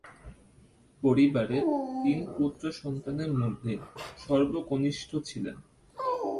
পরিবারের তিন পুত্র সন্তানের মধ্যে সর্বকনিষ্ঠ ছিলেন।